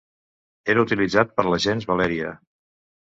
Era utilitzat per la gens Valèria.